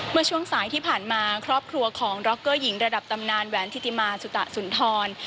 เมื่อช่วงสายที่ผ่านมาครอบครัวของดร็อกเกอร์หญิงระดับตำนานแหวนธิติมาสุตะสุนทร